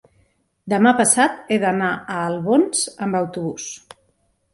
demà passat he d'anar a Albons amb autobús.